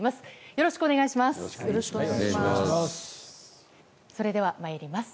よろしくお願いします。